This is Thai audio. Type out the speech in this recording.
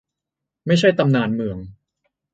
ไม่ใช่ตำนานเมือง